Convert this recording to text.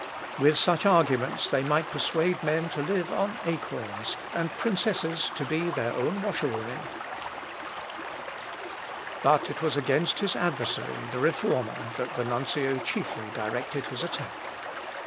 With such arguments they might persuade men to live on acorns, and princesses to be their own washerwomen." [Sidenote: ALEANDER'S ADDRESS.] But it was against his adversary, the Reformer, that the nuncio chiefly directed his attack.